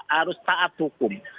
harus taat hukum